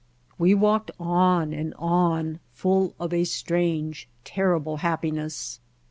We walked on and on, full of a strange, terrible happiness.